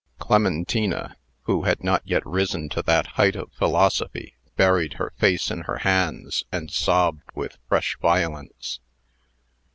Clementina, who had not yet risen to that height of philosophy, buried her face in her hands, and sobbed with fresh violence.